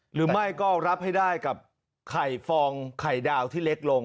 หรือไม่ก็รับให้ได้กับไข่ฟองไข่ดาวที่เล็กลง